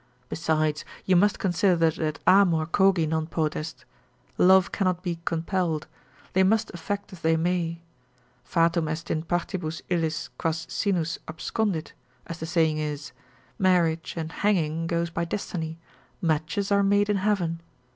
Besides, you must consider that Amor cogi non potest, love cannot be compelled, they must affect as they may: Fatum est in partibus illis quas sinus abscondit, as the saying is, marriage and hanging goes by destiny, matches are made in heaven.